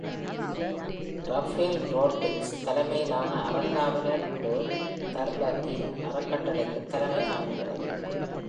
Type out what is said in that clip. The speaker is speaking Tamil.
ரஃபேல் ரோட்ரிக்ஸ் தலைமையிலான அறங்காவலர் குழு தஃபர்கி அறக்கட்டளைக்கு தலைமை தாங்குகிறது.